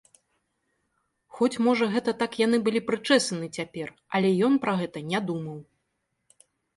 Хоць, можа, гэта так яны былі прычэсаны цяпер, але ён пра гэта не думаў.